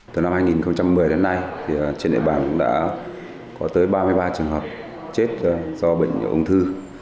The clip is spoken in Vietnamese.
từ năm hai nghìn một mươi đến nay trên địa bàn cũng đã có tới ba mươi ba trường hợp chết do bệnh ung thư